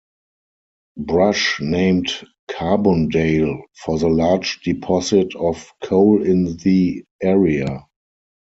Brush named Carbondale for the large deposit of coal in the area.